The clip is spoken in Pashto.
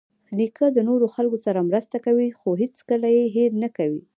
نیکه د نورو خلکو سره مرسته کوي، خو هیڅکله یې هېر نه کوي.